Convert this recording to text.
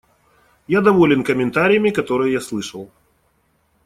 Я доволен комментариями, которые я слышал.